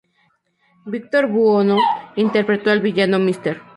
Victor Buono interpretó al villano Mr.